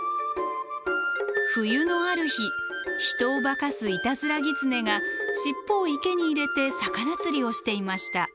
冬のある日人を化かすいたずらギツネが尻尾を池に入れて魚釣りをしていました。